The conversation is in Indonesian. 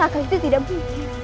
raka itu tidak mungkin